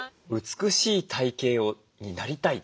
美しい体形になりたい。